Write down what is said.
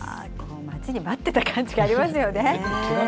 待ちに待ってた感じがありますよね。